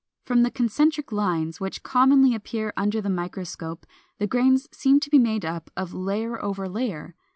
From the concentric lines, which commonly appear under the microscope, the grains seem to be made up of layer over layer.